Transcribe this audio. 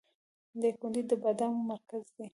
دایکنډي د بادامو مرکز دی